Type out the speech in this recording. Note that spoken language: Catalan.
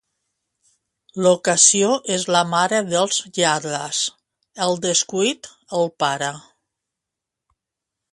L'ocasió és la mare dels lladres; el descuit, el pare.